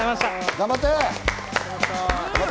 頑張って！